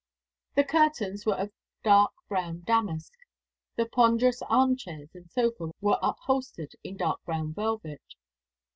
The curtains were of dark brown damask; the ponderous armchairs and sofa were upholstered in dark brown velvet.